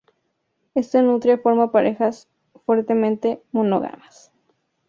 Esta nutria forma parejas fuertemente monógamas.